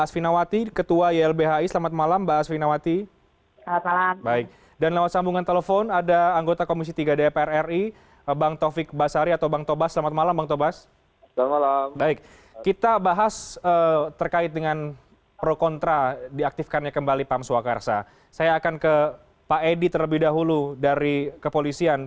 pengembangan fungsi kepolisian